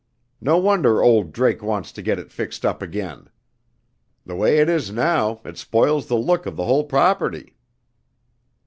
No wonder old Drake wants to get it fixed up again! The way it is now, it spoils the look of the whole property."